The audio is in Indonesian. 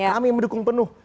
kami mendukung penuh